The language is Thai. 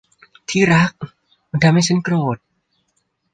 ที่รัก มันทำให้ฉันโกรธ